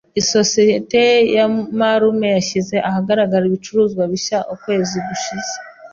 Isosiyete ya marume yashyize ahagaragara ibicuruzwa bishya ukwezi gushize.